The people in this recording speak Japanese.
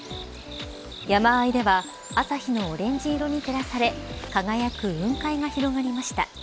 山あいでは朝日のオレンジ色に照らされ輝く雲海が広がりました。